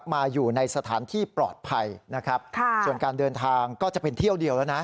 มาอยู่ในสถานที่ปลอดภัยนะครับค่ะส่วนการเดินทางก็จะเป็นเที่ยวเดียวแล้วนะ